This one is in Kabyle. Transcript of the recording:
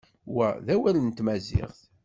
Wa d awal n tmaziɣt.